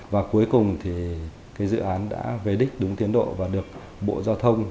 và cuối cùng thì cái dự án đã về đích đúng tiến độ và được bộ giao thông